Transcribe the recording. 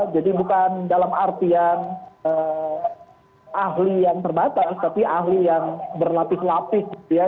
jadi bukan dalam artian ahli yang terbatas tapi ahli yang berlapis lapis gitu ya